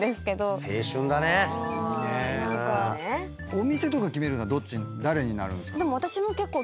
お店とか決めるのは誰になるんですか？